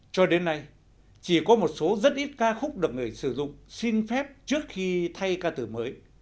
cho đến nay chỉ có một số rất ít ca khúc được người sử dụng xin phép trước khi thay ca từ mới